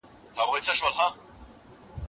هغه د صداقت ارزښت ژوندی وساته.